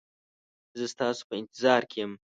زه ستاسو په انتظار کې یم